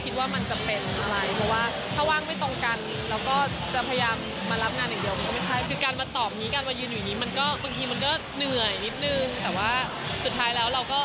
แต่ว่าสุดท้ายแล้วเราก็อยู่ในวงกลางแล้วต้องกล้องไกล